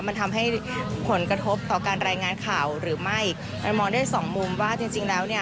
มันทำให้ผลกระทบต่อการรายงานข่าวหรือไม่มันมองได้สองมุมว่าจริงจริงแล้วเนี่ย